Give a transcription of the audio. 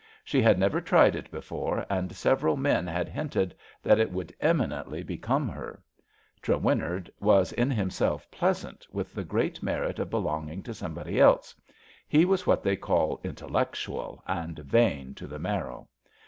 She had never tried it before and several men had hinted that it would eminently become her. Trewinnard was in himself pleasant, with the great merit of be longing to somebody else. He was what they call intellectual, '^ and vain to the marrow.